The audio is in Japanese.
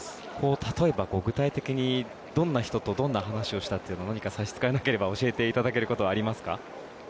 例えば、具体的にどんな人とどんな話をしたというのは差し支えなければ教えていただけることはありますか。